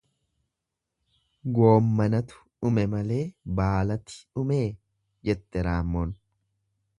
Goommanatu dhume malee baalati dhumee, jette raammoon.